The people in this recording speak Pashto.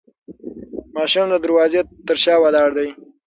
ماشوم د دروازې تر شا ولاړ دی.